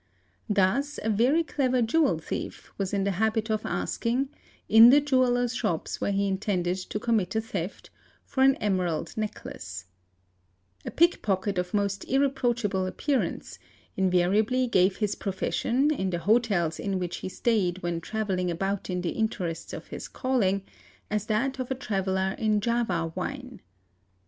Thus a very clever swel thief was in the habit of asking, in the jewellers' shops where he intended to commit a theft, for an emerald necklace. A pickpocket of poteayer RRR ATL RAE AT) SE, Birt a, TEE ee ee ee ee eel nost irreproachable appearance invariably gave his profession, in the otels in which he stayed when travelling about in the interests of his uling as that of a traveller in Java wine.